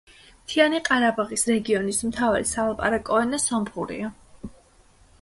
მთიანი ყარაბაღის რეგიონის მთავარი სალაპარაკო ენა სომხურია.